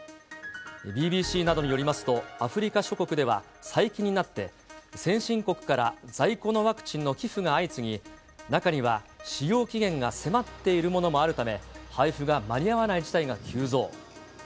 ＢＢＣなどによりますと、アフリカ諸国では、最近になって、先進国から在庫のワクチンの寄付が相次ぎ、中には使用期限が迫っているものもあるため、配布が間に合わない事態が急増。